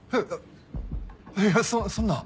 えいやそんな。